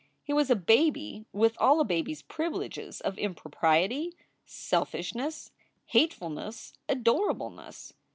He was a baby with all a baby s privileges of impropriety, selfishness, hatefulness, adorableness.